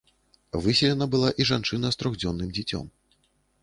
Выселена была і жанчына з трохдзённым дзіцём.